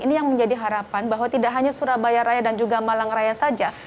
ini yang menjadi harapan bahwa tidak hanya surabaya raya dan juga malang raya saja